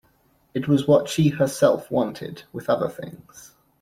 It was what she herself wanted — with other things.